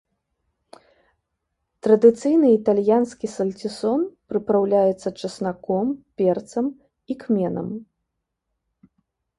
Традыцыйны італьянскі сальцісон прыпраўляецца часнаком, перцам і кменам.